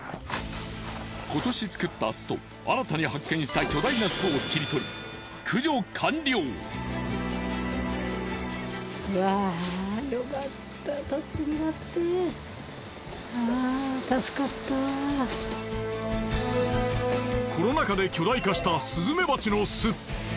今年作った巣と新たに発見した巨大な巣を切り取りコロナ禍で巨大化したスズメバチの巣。